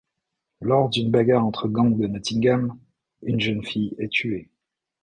Lors d’une bagarre entre gangs de Nottingham, une jeune fille est tuée.